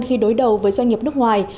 khi đối đầu với doanh nghiệp nước ngoài